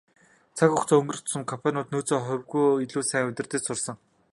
Цаг хугацаа өнгөрөх тусам компаниуд нөөцөө хавьгүй илүү сайн удирдаж сурсан.